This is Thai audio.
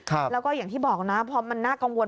แล้วก็อย่างที่บอกนะพอมันน่ากังวล